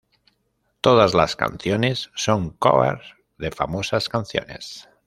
Todas las canciones son covers de famosas canciones.